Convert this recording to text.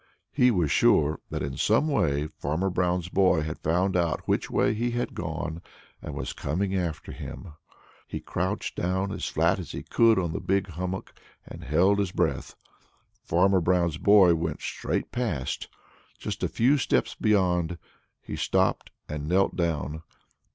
He was sure that in some way Farmer Brown's boy had found out which way he had gone and was coming after him. He crouched down as flat as he could on the big hummock and held his breath. Farmer Brown's boy went straight past. Just a few steps beyond, he stopped and knelt down.